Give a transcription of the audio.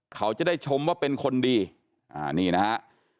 เขาจะได้ชมว่าเป็นคนดีนี่นะฮะ